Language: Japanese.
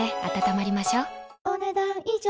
お、ねだん以上。